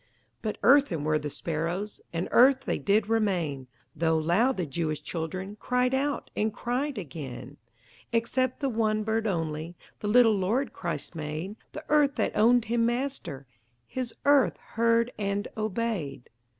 But earthen were the sparrows, And earth they did remain, Though loud the Jewish children Cried out, and cried again. Except the one bird only The little Lord Christ made; The earth that owned Him Master, His earth heard and obeyed.